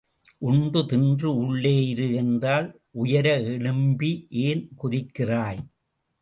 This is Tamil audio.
உண்டு தின்று உள்ளே இரு என்றால் உயர எழும்பி ஏன் குதிக்கிறாய்?